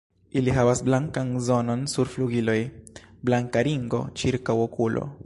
Ili havas blankan zonon sur flugiloj, blanka ringo ĉirkaŭ okulo.